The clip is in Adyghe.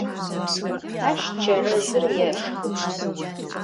Ащ чэрэзыр ешхы.